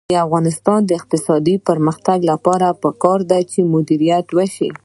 د افغانستان د اقتصادي پرمختګ لپاره پکار ده چې مدیریت وشي.